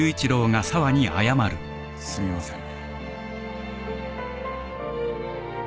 すみません。